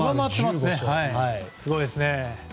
すごいですね。